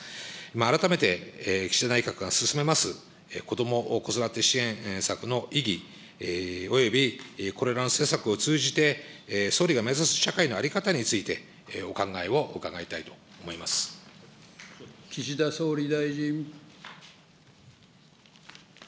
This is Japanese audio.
改めて岸田内閣が進めます子ども・子育て支援策の意義およびこれらの施策を通じて、総理が目指す社会の在り方についてお考えを伺岸田総理大臣。